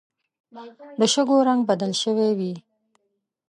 د شګو رنګ بدل شوی وي